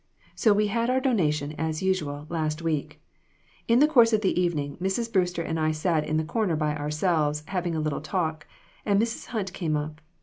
So we had our donation, as usual, last week. In the course of the evening Mrs. Brewster and I sat in the corner by our selves, having a little talk, and Mrs. Hunt came up.